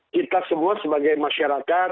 kita semua sebagai masyarakat